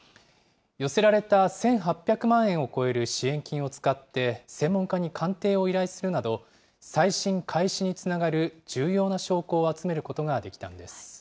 寄せられた１８００万円を超える支援金を使って専門家に鑑定を依頼するなど、再審開始につながる重要な証拠を集めることができたんです。